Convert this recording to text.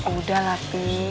udah lah pi